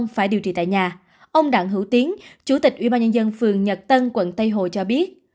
phải điều trị tại nhà ông đặng hữu tiến chủ tịch ubnd phường nhật tân quận tây hồ cho biết